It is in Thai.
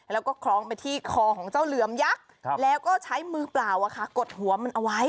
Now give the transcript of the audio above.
แล้วก็คล้องไปที่คอของเจ้าเหลือมยักษ์แล้วก็ใช้มือเปล่ากดหัวมันเอาไว้